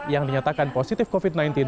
yang dinyatakan positif covid sembilan belas